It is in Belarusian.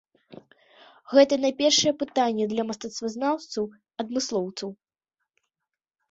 Гэта найпершае пытанне для мастацтвазнаўцаў-адмыслоўцаў.